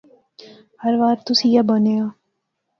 ہر وار تس ایئی بانے آ